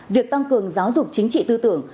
việc tăng cường giáo dục chính trị tư tưởng